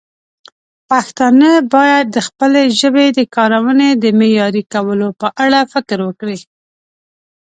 پښتانه باید د خپلې ژبې د کارونې د معیاري کولو په اړه فکر وکړي.